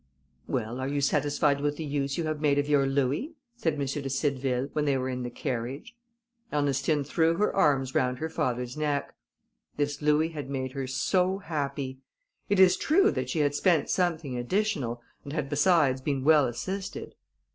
"Well, are you satisfied with the use you have made of your louis?" said M. de Cideville, when they were in the carriage. Ernestine threw her arms round her father's neck. This louis had made her so happy! It is true she had spent something additional, and had besides been well assisted.